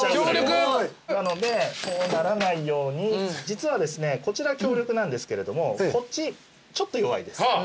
なのでこうならないように。実はですねこちら強力なんですけれどもこっちちょっと弱いです。